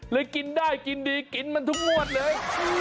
กินได้กินดีกินมันทุกงวดเลย